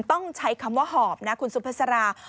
ต้องใช้คำว่าหอบนะคุณสุภาษารา